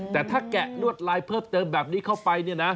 แต่ถ้าแกะลวดลายเพิ่มเติมแบบนี้เข้าไปเนี่ยนะ